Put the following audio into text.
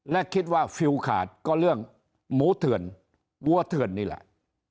และคิดว่าฟิลขาดก็เรื่องหมูเถื่อนวัวเถื่อนนี่แหละ